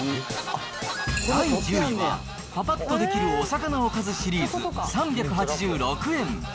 第１０位は、パパッとできるお魚おかずシリーズ３８６円。